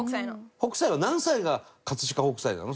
「北斎」は何歳が「飾北斎」なの？